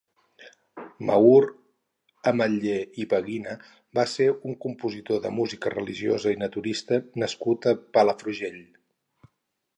Maur Ametller i Paguina va ser un compositor de música religiosa i naturalista nascut a Palafrugell.